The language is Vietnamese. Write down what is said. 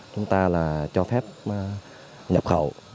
chúng ta cho phép nhập khẩu